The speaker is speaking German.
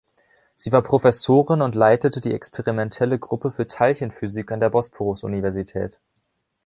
Sie war Professorin und leitete die experimentelle Gruppe für Teilchenphysik an der Bosporus-Universität.